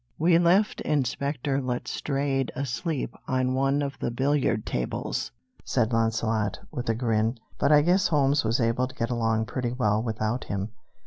"We left Inspector Letstrayed asleep on one of the billiard tables," said Launcelot, with a grin; "but I guess Holmes was able to get along pretty well without him.